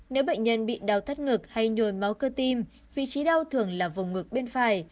nếu bệnh nhân bị đau thắt ngực hay nhồi máu cơ tim vị trí đau thường là vùng ngực bên phải